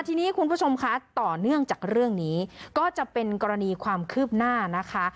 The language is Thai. ทีนี้คุณผู้ชมคะต่อเนื่องจากเรื่องนี้ก็จะเป็นกรณีความคืบหน้านะคะ